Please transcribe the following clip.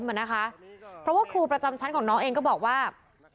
เพราะว่าครูประจำชั้นของน้องเองก็บอกว่า